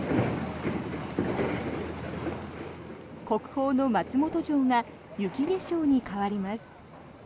国宝の松本城が雪化粧に変わります。